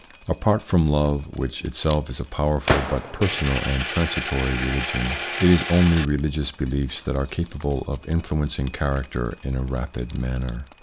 Apart from love, which itself is a powerful but personal and transitory religion, it is only religious beliefs that are capable of influencing character in a rapid manner.